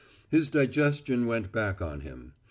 His digestion went back on him.